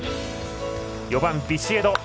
４番、ビシエド。